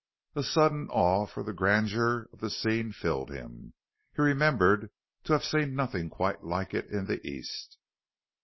A sudden awe for the grandeur of the scene filled him. He remembered to have seen nothing quite like it in the East.